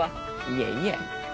いえいえ。